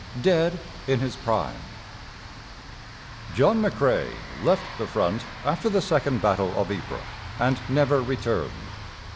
IX. Dead in His Prime John McCrae left the front after the second battle of Ypres, and never returned.